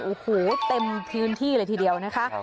โอ้โหเต็มพื้นที่เลยทีเดียวนะคะ